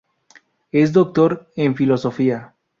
Es Doctor en Filosofía.